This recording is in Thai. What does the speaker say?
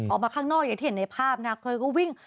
ออกมาข้างนอกอย่างที่เห็นในภาพนะเธอก็วิ่ง